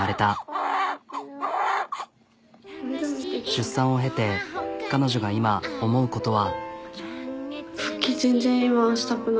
出産を経て彼女が今思うことは。